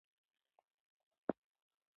د علم زده کړه د نارینه او ښځینه دواړو حق دی.